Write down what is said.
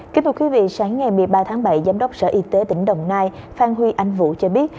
kính thưa quý vị sáng ngày một mươi ba tháng bảy giám đốc sở y tế tỉnh đồng nai phan huy anh vũ cho biết